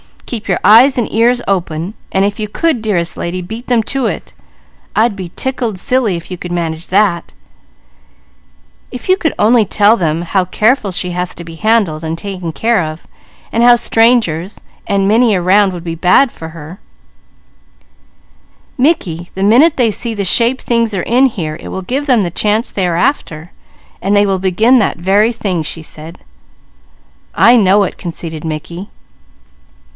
_ Keep your eyes and ears open, and if you could, dearest lady, beat them to it: I'd be tickled silly if you manage that. If you could only tell them how careful she has to be handled, and taken care of, and how strangers and many around would be bad for her " "Mickey, the minute they see the shape things are in here, it will give them the chance they are after, so they will begin that very thing," she said. "I know it," conceded Mickey.